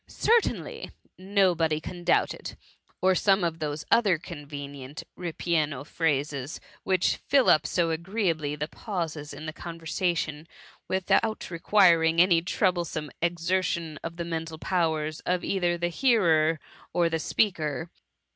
^Certainly T "Nobody can doubt it T or some of those other convenient ripieno phrases, which fill up so agreeably the pauses in the conversa tion, without requiring any troublesome exer tion of the mental powers of either the hearer or the speaker.